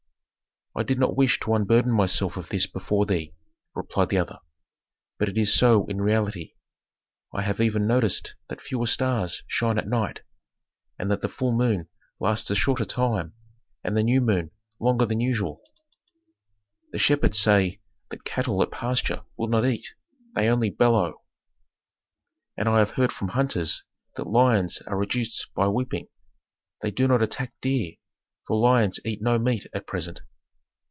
"I did not wish to unburden myself of this before thee," replied the other, "but it is so in reality. I have even noticed that fewer stars shine at night, and that the full moon lasts a shorter time, and the new moon longer than usual." "The shepherds say that cattle at pasture will not eat, they only bellow." "And I have heard from hunters that lions are reduced by weeping; they do not attack deer, for lions eat no meat at present."